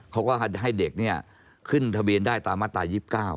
เขาก็ให้เด็กขึ้นทะเบียนได้ตามมาตรา๒๙